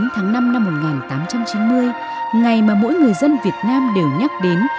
một mươi tháng năm năm một nghìn tám trăm chín mươi ngày mà mỗi người dân việt nam đều nhắc đến